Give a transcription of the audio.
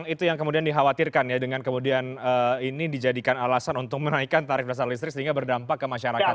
itu yang kemudian dikhawatirkan ya dengan kemudian ini dijadikan alasan untuk menaikkan tarif dasar listrik sehingga berdampak ke masyarakat